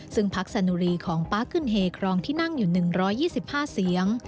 ซึ่งพักสนุรีของป๊าขึ้นเฮครองที่นั่งอยู่๑๒๕เสียง